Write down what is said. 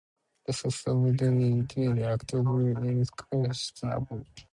The success of the Dominion Lands Act overall is questionable.